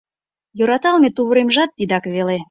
Йӧраталме тувыремжат тидак веле.